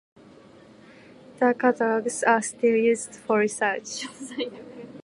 The catalogs are still used for research.